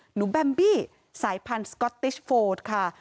แบมบี้สายพันธุ์สก๊อตติชโฟดค่ะ